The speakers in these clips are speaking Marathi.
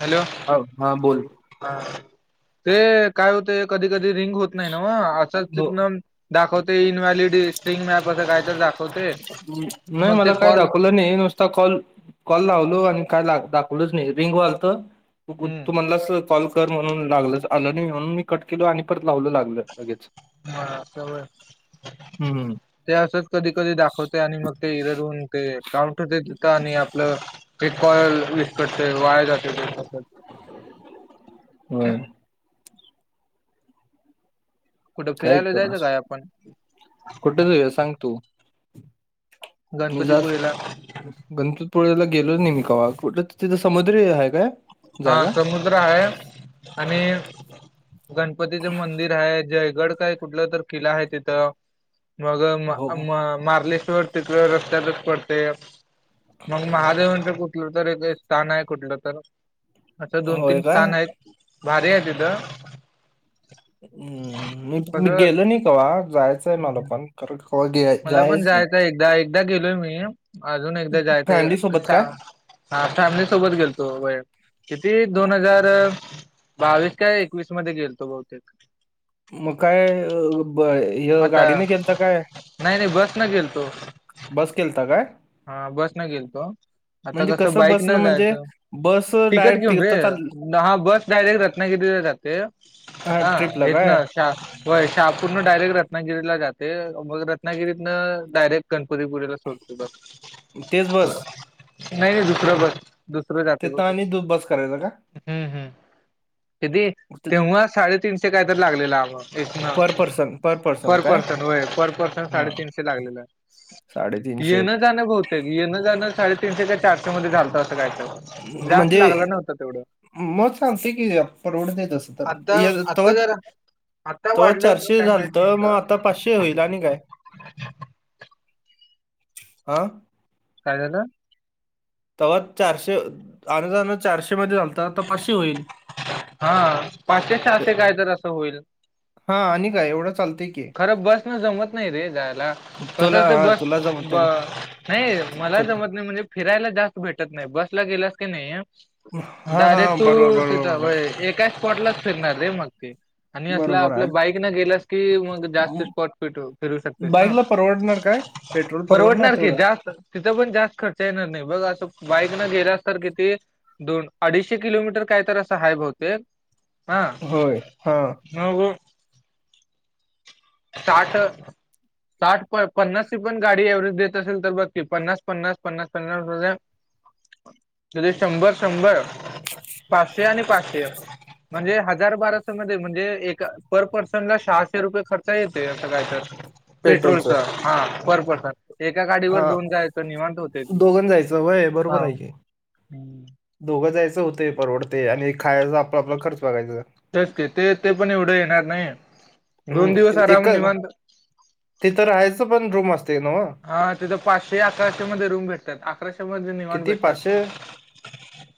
हॅलो हो, हा बोल हा, ते काय होतय, कधी कधी रिंग होत नाय नव्ह, असं हो, तिथन दाखवते इनव्हॅलीडी स्ट्रिंग मॅप असं काय तरी दाखव नाही, मला काय दाखवलं नाही, नुस स्त कॉल, कॉल लावलो, आणि काय दाखवलच नाही, रिंग वाजत हम्म तू म्हणलास, कॉल कर म्हणून लागलं, आलं नाही म्हणून, मी कट केलो आणि परत लावलं, लागलं लगेच हा, असं व्हय, हम्म ते असच कधी कधी दाखवते, आणि मग ते इररवून ते काउंट टू डेथ का नई, आपलं ते कॉल विस्कटतय, वाया जाते ते, तासात व्हय कुठं, काय फिरायला कर जायचं काय, आपण? कुठे, जाऊया सांग तू? मी आच गणपतीपुळेला गणपतीपुळेला गेलो नाही मी कवा, कुठं तिथं समुदद्री हाय काय? हा, जागा समुद्र आहे, आणि गणपतीचं मंदिर आहे जयगड काय कुठलं तर किल्ला आहे तिथं. मग हो म मार्लेश्वर तिकडे रस्त्यातच पडतय. मग महादेवांच कुठलं तर एक स्थान आहे कुठलं तर असं दोन-तीन होय का स्थान आहे भारी आहे तिथं. हम्म मी मी कसं गेलो नाही कवा जायचंय मला पण कवा घेय मला पण जायचंय एकदा एकदा गेलोय मी अजून एकदा जायचंय फॅमिली सोबत काय हा फॅमिली सोबत गेलतो व किती दोन हजार बावीस काय एकवीस मध्ये गेलतो बहुतेक. मग काय आता गाडीने गेलता काय? नाही नाही बस न गेलतो बस केलता काय? हा बस न गेलतो. आता म्हणजे कसं बाईक बसनं न म्हणजे जायचं बस तिकट डायरेक्ट घेऊन रे तिथं चाल हा बस डायरेक्ट रत्नागिरीला जाते. ते हा ट्रिपला हितन काय शा व्हय शहापूर डायरेट रत्नागिरीला जाते मग रत्नागिरीत डायरेक्ट गणपतीपुळेला सोडते बघ. तेच बस नाही नाही दुसरं बस. दुसरं जाते बघ तिथं आणि दु- बस करायचं का हम्म कधी तेव्हाच साडेतीनशे काय तर लागलेलं आवं पर हितन पर्सन पर काय पर्सन होय पर्सन साडेतीनशे लागलेलं. साडेतीन येणं जाणं बहुतेक जाणं साडेतीनशे काय चारशे मध्ये झालतं असं काय तर जास्त म्हणजे लागला नव्हत तेवढं. मग चालतय की परवडतय तसं तर आता एक तवा आता जरा आता तवा वाढलं असेल चारशे काय माहित नाही झालतं मग एवढं आता पाचशे [unintelligible] होईल आणि काय हा काय झालं तेव्हा चारशे [unintelligible] चारशे मध्ये झालता आता पाचशे होईल. हा पाचशे सहाशे असे काय जर असं होईल. हा आणि काय एवढं चालतंय की खरं बस न जमत नाही रे जायला कस तुला ते हा बस तुला जमत बर नाही मला जमत ना नाही म्हणजे फिरायला जास्त भेटत नाही बसला गेलास की नाही. हा हा डायरेक्ट तू बरोबर बरोबर तिथं म्हणलास एका स्पॉटलाच फिरणार ना मग ते. आणि असला बरोबर आपल्या आहे बाईक न गेलास की मग जास्त स्पॉट फिटू फिरू शकतोस ना बाईकला परवडणार काय पेट्रोल परवडणार की तेवढं जास्त तिथं पण जास्त खर्च येणार नाही बघ असं बाईक न गेलास तर किती दोन अडीचशे किलोमीटर काय तर असं हाय बहुतेक हा. होय हा हा बोल साठ साठ प पन्नास ची पण गाडी एव्हरेज देत असेल तर बघ की पन्नास पन्नास पन्नास पन्नास सगळ जरी शंभर शंभर पाचशे आणि पाचशे म्हणजे हजार बाराशे मध्ये म्हणजे एक पर पर्सनला सहाशे रुपये खर्च खर्च येते असं काय तर पेट्रोलच पेट्रोलचं हा पर पर्सन. एका गाडीवर हा दोन जायच निवांत होते ती दोघं जायचं वय हा बरोबर आहे की दोघं जायचं होतय परवडतय आणि खायचा आपला आपला खर्च बघायचा. च ते ते पण एवढं येणार नाही हम्म, दोन दिवस आराम एक निवांत तिथं राहायचं पण रूम असते ना हो. हा तिथं पाचशे अकराशे मध्ये रूम भेटतात अकराशे मध्ये निवाण किती भेटत्यात. पाचशे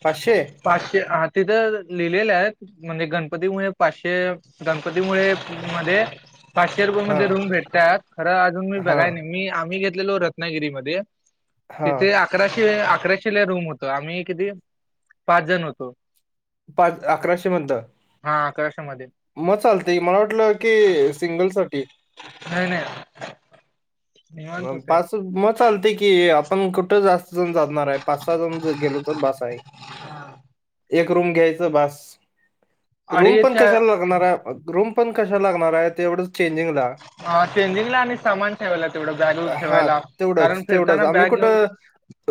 पाचशे पाचशे हा तिथं लिहिलेले आहेत म्हणजे गणपती मुळे पाचशे गणपती मुळे मध्ये पाचशे रुपया हा मध्ये रूम भेटतात खरं अजून मी हा बघाय नी मी मी घेतलेलो रत्नागिरी मध्ये हा तिथे आ अकराशे अकराशेला रूम होतं आम्ही किती पाच जण होतो. पाच अकराशे मध्ध. हा अकराशे मध्ये. म चालते मला वाटलं की सिंगल साठी. नाय नाय. मम पाच सु मत चालते की आपण कुठं जास्त जण जाणार आहे पाच सहा जण गेलो तर बास आहे. एक रूम घ्यायचं बास. रूम पण अडीचच्या कशाला लागणार आहे रूम पण कशाला लागणार आहे ते एवढं चेंजिंगला. हा चेंजिंगला आणि सामान ठेवायला तेवढं बॅग हा ठेवायला कारण तेवढंच तेवढंच फिरताना आम्ही बॅग घेऊन कुठं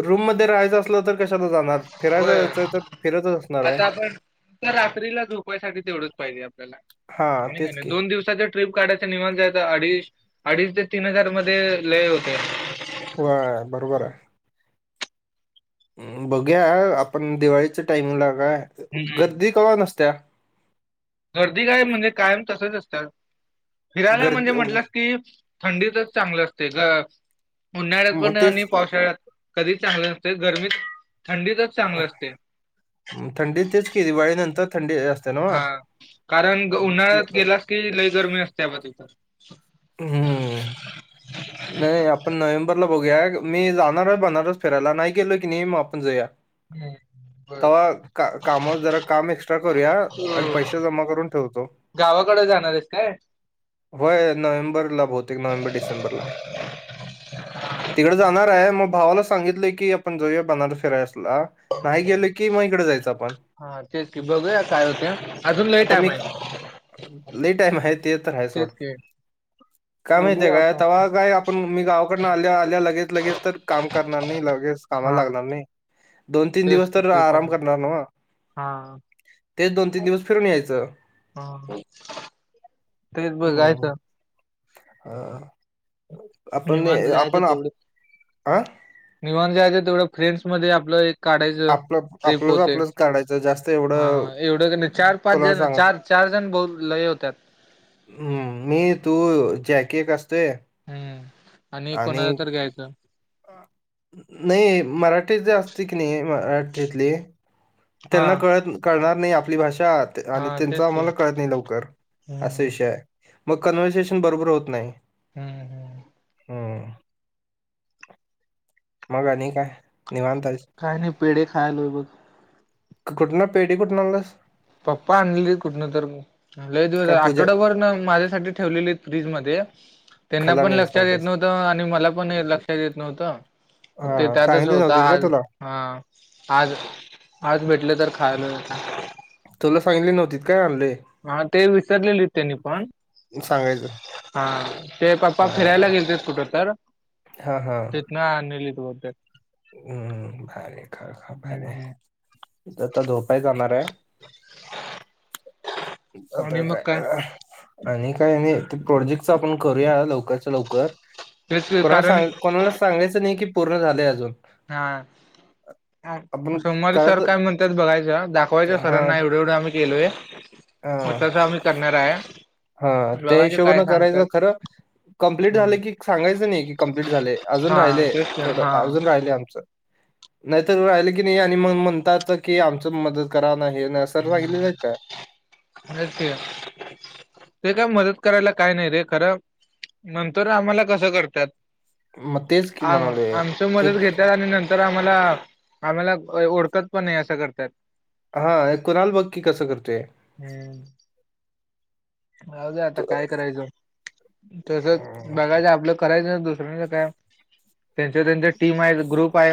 रूम मध्ये राहायचं असलं तर कशाला जाणार फिरायचं होय यायचंय तर फिरतच असणार आहे. त्या रात्रीला झोपायसाठी तेवढंच पाहिजे आपल्याला हा आणि का तेच नाही की दोन दिवस चा जे ट्रीप काढायचं निमान जायचं अडीस अडीच ते तीन हजार मध्ये लय होते. होय बरोबर आहे. बघूया आपण दिवाळीचा टाइमिंगला काय हम्म गर्दी कवा नसत्या? गर्दी काय म्हणजे कायम तसच असतात फिरायला म्हणजे गर्दी म्हटलंस की थंडीतच चांगलं असते गं उन्हाळ्यात पण मग नाय तेच आणि पावसाळ्यात कधी चांगलं नसते गरमीत थंडीतच चांगलं असते. थंडी तेच केली दिवाळीनंतर थंडी अस हा कारण उन्हाळ्यात गेलास कि लय गर्मी असत्या बा तिथं. हम्म. [unintelligible] नाही आपण नोव्हेंबरला बघूया मी जाणार आहे बनारस फिरायला नाही गेलोय की नाही म आपण जाऊया. हम्म. बर तेव्हा का कामं जरा काम एक्स्ट्रा करूया तू आणि पैसे जमा करून ठेवतो. गावाकडे जाणार आहेस काय? होय नोव्हेंबरला बहुतेक नोव्हेंबर डिसेंबरला. तिकडे जाणार आहे म भावाला सांगितलं की आपण जाऊया बनारस फिरायसला. नाही गेलोय की मग इकडे जायचं आपण. हा तेच की बघूया काय होते अजून लई आता टाईम मी आहे. लई टाइम आहे ते तर आहे सोड तेच की. काय माहिती बघूया काय आता. तव्हा काय आप पण मी गावाकडनं आल्या आल्या लगेच लगेच तर काम करणार नाही लगेच हा कामाला लागणार नाही. दोन तीन तेच दिवस तर ते पण आराम आहे. करणार नवं. हा. ते दोन तीन दिवस फिरून यायचं. हा. तेच बघायचं. अ आपण ए निवांत आपण आप आं निवान जायचं, तेवढं फ्रेंडसध्ये आपलं एक काढायच, आपलं ट्रिप आपलंच होते, आपलंच काढायचं जास्त हा एवढं एवढं क नाही चार पाच कोणाला जण, सांगा चार चार जण, बहू लय होत्याात हम्म, मी, तू, जॅकी एक असतोय हम्म, आणि कोणाला तर घ्यायचं. नाही, मराठीत जे असते की नाही, मराठीतले हा त्यांना कळत, कळणार नाही, आपली भाषा आणि हा त्यांच तेच की आम्हाला कळत नाही लवकर, असा हम्म विषय आहे, मग कन्व्हरर्सेशन बरोबर होत नाही. हम्म हम्म हम्म, मग आणि काय, निवांत हायस? काय, नाय, पेढे खायलोय बघ. कुठंन, पेढे कुठंन आणलास? पप्पा आणलीली कुठंन तर, लय दिवस काय पूजा आठवडाभर ना माझ्यासाठी ठेवलेले फ्रिजमध्ये त्यांना खाल्ला पण नाहीस लक्षात येत नव्हतास? नव्हतं, आणि मला पण लक्षात येत नव्हतं ते हा त्यातच सांगितली होता नव्हतीत का आज, तुला हा आज, आज भेटले तर खायलोय. तुला सांगली नव्हतीत काय आणले? हा, ते विसरलेली, त्यांनी पण सांगायचं हा, ते पप्पा फिरायला हा गेलते, कुठं तर? हा, हा नाय, आनलीलीत बहुतेक हम्म, भारी, हम्म [unintelligible] हम्म मी आता झोपाय जाणार हाय इथं, आणि आता मग काय? आणि काय नाही, ते प्रोजेक्टच आपण करूया, लवकरच्या लवकर तेच कोणाला कारण सांग, कोणाला सांगायचं नाही की, पूर्ण झालंय अजून नाय आपण सोमवारी सर करत काय म्हणतात बघायचं, दाखवायचं हा सरांना, एवढं- एवढं आम्ही केलय हा म तसं आम्ही, करणार हाय हा, त्या हिशोबानं करायचं, खरं कंप्लीट हम्म झालं की सांगायचं नाही, की कंम्प्लीट झालेय, अजून हा राहिलेय तेच की थोडं, हा अजून राहिलय आमचं नाही त राहिलं की नाही आणि म म्हणतात की आमच मदत करा, नाही हे नाय, सर हम्म सांगितलं नाय का? तेच की, ते काय मदत करायला, काय नाही रे खरं नंतर आम्हाला कसं करत्यात, मग तेच की आ म्हणालोय आमच एक मदत घेत त आणि नंतर आम्हाला, आम्हाला ओळखत पण नाही, असं करत्यात हा, कुणाल बघ की कसं करतोय? हम्म राहू दे आता, काय करायचं, तसं बघायच आपलं करायचं, दुसऱ्यांच काय, त्यांच्या- त्यांच्या टीम हाय, ग्रुप हाय,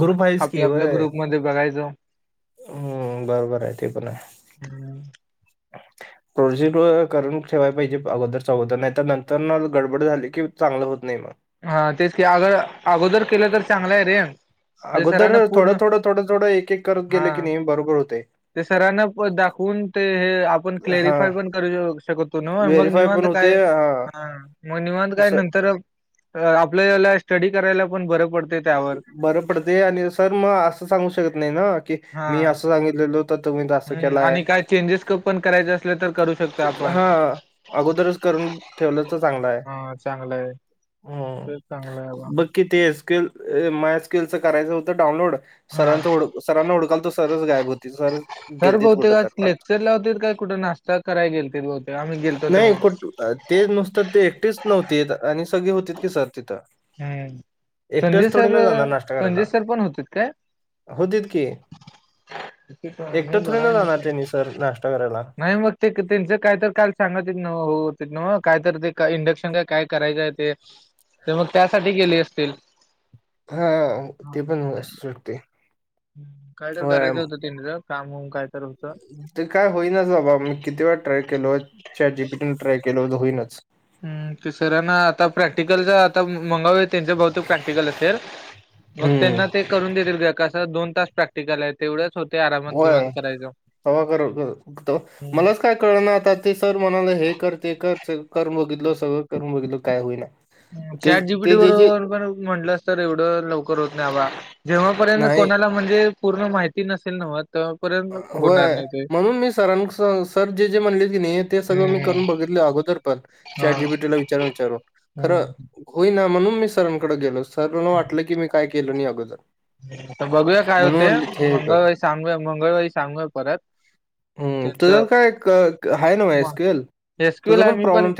ग्रुप आहेस की आपल्या -आपल्या होय ग्रुपमध्ये बघायचं हम्म, बरोबर आहे, ते पण हम्म. हाय [inaudible] प्रोजेक्ट व करून ठेवाय पाहिजे, अगोदर चगोदर, नाही त नंतर न गडबड झाली की, चांगलं होत नाही म हा, तेच की, अग अगोदर केलं तर चांगलं आहे रे ते अगोदर सरांना थोडं पूर्ण -थोडं -थोडं -थोडं, एक -एक करत हा गेले की नेई बरोबर होतय. ते सरांना प दाखवून, ते हे आपण हा क्लेरिफाय पण करू अ शकतो तोवर मग व्हेरीफाय पण निवांत काय होते हा ह निवांत काय स- नंतर आपल्याला स्टडी करायला पण बर पडते त्यावर बरं पडते आणि सर म असं सांगू शकत नाही ना की मी असं सांगितलेलं होत तुम्ही असं हम्म केलाय आणि काय चेंजेस पण करायचे असल तर करू शकतो आपण. हा अगोदरच करून ठेवलं तर चांगलं आहे. हां, चांगलं आहे. तेच चांगलं आहे बाबा. कि ती स्किल माय स्किलच करायचं होतं डाउनलोड सरांचं हां. ओळख सरांना हुडकालतो सर गायब होते सरच सर बहुतेक आत लेक्चर ला होतील काय कुठे नाश्ता कराय गेलती बहुतेक. आम्ही गेलतो नाही तेव्हा. कुठ ते नुसतं ते एकटेच नव्हती आणि सगळे होती की सर तिथं. हम्म संजय एकटेच थोडी सर ना जाणार नाश्ता संजय करायला सर पण होतीत काय. होतीत की मी एकटं थोडी बघाय न जाणार नसेल. त्यांनी सर नाश्ता करायला. नाही मग ते त्यांच कायतर काल सांगालतीत हो काय तर ते इंडक्शन काय काय करायचंय ते. तर मग त्यासाठी गेले असतील. हा ते हां. पण असू शकते. काय तर होय करायचं होतं त्यांनीच काम होम काय तर होत. ते काय होईनाच बाबा मी किती वेळा ट्राय केलो चॅटजीपीटी ट्राय केल हो होईनच. हमं क सरांना आता प्रॅक्टिकलचा आता मंगळवारी त्यांच्या बहुतेक प्रॅक्टिकल असेल. मग हम्म त्यांना ते करून देतील का दोन तास प्रॅक्टिस [unintelligible] काल तेवढ्याच होते आरामात निवांत होय करायच तवा कर कर- तव- म्हणून मलाच काय कळना आता ते सर म्हणाले हे कर ते कर स कर बघितलं सगळं करून बघितलं काय होईना ते चॅट जीपीटी ते जे जे बरोबर पण म्हटलं अस तर एवढं लवकर होत नाही आबा. जेव्हापर्यंत नाही कोणाला म्हणजे पूर्ण माहिती नसेल ना मग तेव्हापर्यंत अ, होणार होय नाही. ते. म्हणून मी सरां सर जे जे म्हणले की ते सगळं मी हम्म करून बघितले अगोदर पण हा चॅट जीपीटी ला विचारून विचारून खरं हम्म. होईना म्हणून मी सरांकडे गेलो. सरांना पण वाटलं की मी काय केलं नाही अगोदर आता बघूया काय म्हणून होते म्हणले हे हे कर मंगळवारी सांगूया मंगळवारी सांगूया परत हम्म त्यांच तुज जर काय आहे नव्हं मग स्केल एस क्यू ला मी पण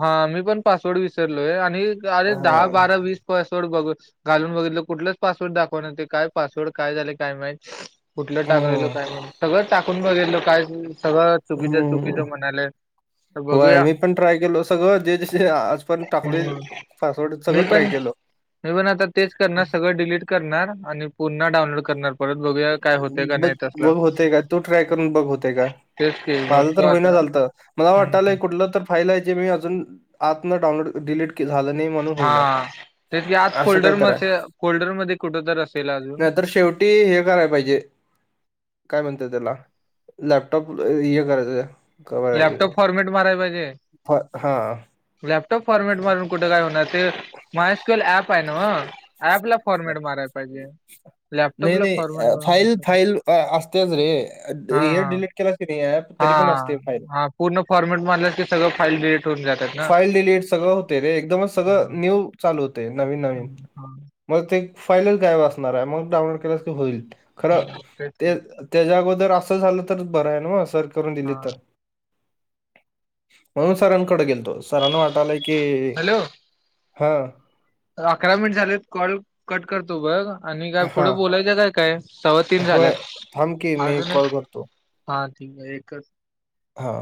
हा मी पण पासवर्ड विसरलोय आणि अरे दहा, हां. बारा, वीस पासवर्ड बघ घालून बघितलं कुठलंच पासवर्ड दाखवणार ते काय पासवर्ड काय झाले काय माहित. कुठलं टाकलेल हं, काय नाही सगळं टाकून बघितल काय सगळं चुकीचं हं. चुकीचं म्हणालय. होय मी पण ट्राय केलो सगळं जे ज पण टाकलोयच हं. पासवर्ड मी सगळं पण ट्राय केलो. मी पण आता तेच करणार सगळं डिलीट करणार आणि पुन्हा डाऊनलोड करणार. परत बघूया काय होतंय का बघ नाही तसला. बघ होते का तू ट्राय करून बघ होतेय का तेच की माझं बघतो तर होईना आता. झालत. मला हं, हं. वाटालय कुठलं तर फाईल आहे ती जे मी अजून आतन डाउलोड डिलीट झालं नाही म्हणून तर होईना हां. तेच की आत असं काहीतरी आहे फोल्डरमध्ये फोल्डरमध्ये कुठेतरी असेल अजून. नाहीतर शेवटी [unintelligible] हे कराय पाहिजे काय म्हणते त्याला लॅपटॉप हे करायचं. लॅपटॉप फॉर्मॅट मारायला पाहिजे. [unintelligible] लॅपटॉप फॉर्मेट मारुन कुठे काय होणार ते मायस्क्यल ऍप आहे नव्हं. ऍपला फॉर्मेट मारायला पाहिजे. नाही लॅपटॉपला नाही फॉर्मेट फाईल मार फाईल असत्याच रे. हा हे हा डिलीट केलाच नाही ॲप हा तरी पण असते फाईल. हा पूर्ण फॉर्मेट मारला की सगळं फाईल डिलीट होऊन जातात. ना फाईल डिलीट सगळं होते रे एकदमच हा सगळं न्यू चालू होते नवीन हा नवीन. हा मग ते फाईलच गायब असणार आहे मग डाउनलोड केल्यास की होईल खरं तेच की. ते त्याच्या अगोदर असं झालं तर बरं आहे नावं सर करून दिले हा तर. म्हणून सरांकडे गेलतो सरांणा वाटालय की हॅलो हां. अकरा मिनिट झालेत कॉल कट करतो बघ आणि काय हा पुढं बोलायचं काय काय? तवा तीन होय थांब की झाल्यात मी अजून कॉल एक करतो हा ठीक एकच हा.